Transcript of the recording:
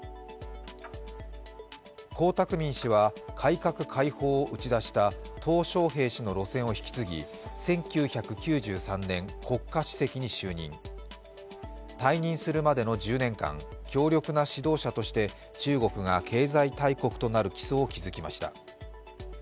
江沢民氏は改革開放を打ち出したトウ小平氏の路線を引き継ぎ１９９３年国家主席に就任。退任するまでの１０年間、強力な指導者として中国が経済大国となる基礎を築きました。